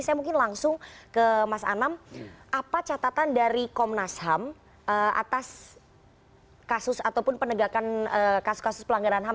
saya mungkin langsung ke mas anam apa catatan dari komnas ham atas kasus ataupun penegakan kasus kasus pelanggaran ham